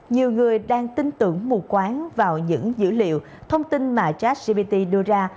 nhiều người đang tin tưởng mù quán vào những dữ liệu thông tin mà jack j p t đưa ra